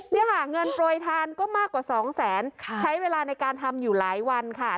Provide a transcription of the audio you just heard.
เนี่ยค่ะเงินโปรยทานก็มากกว่าสองแสนใช้เวลาในการทำอยู่หลายวันค่ะ